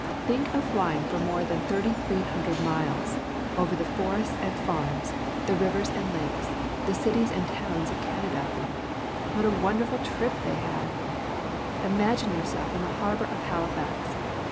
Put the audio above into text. Tliink of flying for more than 3,300 miles over the forests and farms, the rivers and lakes, the cities and towns of Canada! What a wonderful trip they had! Imagine yourself in the harbour of Halifax.